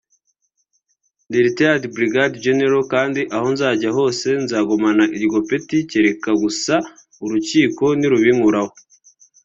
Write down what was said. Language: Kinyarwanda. ndi Retired Brigadier General kandi aho nzajya hose nzagumana iryo peti kereka gusa Urukiko nirubinkuraho